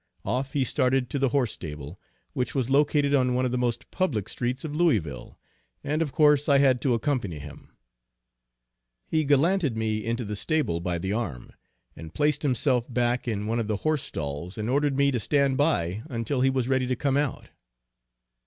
Off he started to the horse stable which was located on one of the most public streets of Louisville, and of course I had to accompany him. He gallanted me into the stable by the arm, and placed himself back in one of the horses stalls and ordered me to stand by until he was ready to come out.